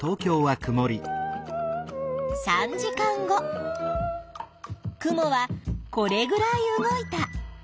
３時間後雲はこれぐらい動いた。